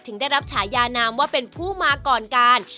ได้รับฉายานามว่าเป็นผู้มาก่อนการ